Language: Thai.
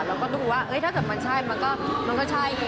แล้วก็ดูว่าเฮ้ยถ้าเกิดมันใช่มันก็ใช่